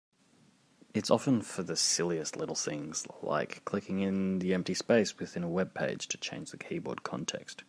It's often for the silliest little things, like clicking in the empty space within a webpage to change the keyboard context.